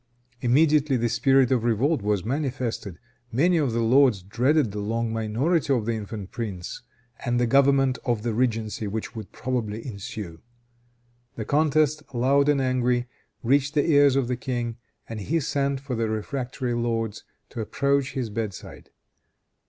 Immediately the spirit of revolt was manifested. Many of the lords dreaded the long minority of the infant prince, and the government of the regency which would probably ensue. The contest, loud and angry, reached the ears of the king, and he sent for the refractory lords to approach his bedside.